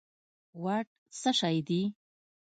واټ څه شی دي